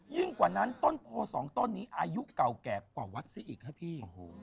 กว่านั้นต้นโพสองต้นนี้อายุเก่าแก่กว่าวัดซะอีกครับพี่